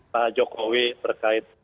pak jokowi terkait